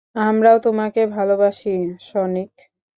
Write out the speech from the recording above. আমরাও তোমাকে ভালোবাসি, সনিক।